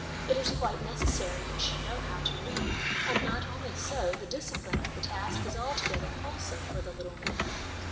It is quite necessary he should know how to read ; and not only so the discipline of the task is altogether wholesome for the little man.